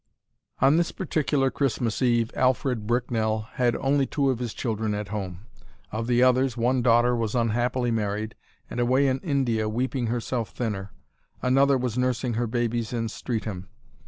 On this particular Christmas Eve Alfred Bricknell had only two of his children at home. Of the others, one daughter was unhappily married, and away in India weeping herself thinner; another was nursing her babies in Streatham.